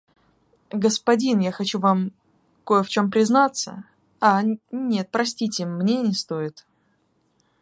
Господин, я хочу вам кое в чём признаться, ах, нет, простите, мне не стоит.